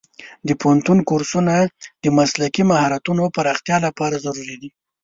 د پوهنتون کورسونه د مسلکي مهارتونو پراختیا لپاره ضروري دي.